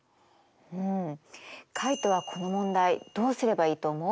うんカイトはこの問題どうすればいいと思う？